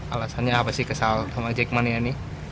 alasannya apa sih kesal sama jack mania ini